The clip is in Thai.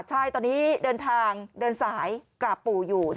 ใช่ตอนนี้เดินทางเดินสายกราบปู่อยู่